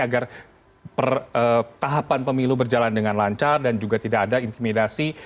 agar tahapan pemilu berjalan dengan lancar dan juga tidak ada intimidasi